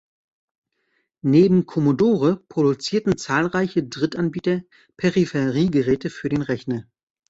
Neben Commodore produzierten zahlreiche Drittanbieter Peripheriegeräte für den Rechner.